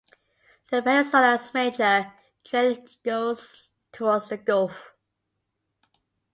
The peninsula's major drainage goes towards the gulf.